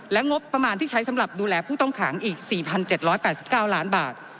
และงบประมาณที่ใช้สำหรับดูแลผู้ต้องขังอีก๔๗๘๙ล้านบาท